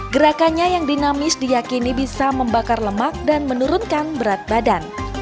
gerakannya yang dinamis diyakini bisa membakar lemak dan menurunkan berat badan